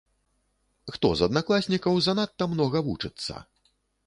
Хто з аднакласнікаў занадта многа вучыцца?